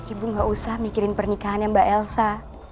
ibu gak usah mikirin pernikahannya mbak elsa